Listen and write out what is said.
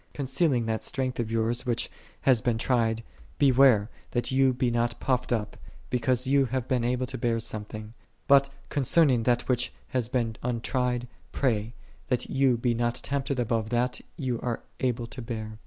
Concerning that strength of yours which hath been tried beware, that ye be not puffed up, because ye have been able to bear something: but concerning that which hath been untried, pray, that ye be not tempted above that ye are able to bear.